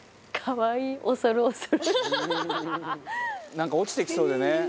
「なんか落ちてきそうでね」